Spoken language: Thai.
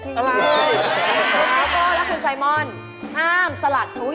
ครูโกโกและคุณไซมอนห้ามสลัดถุ้ย